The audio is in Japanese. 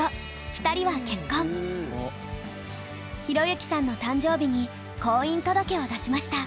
寛之さんの誕生日に婚姻届を出しました。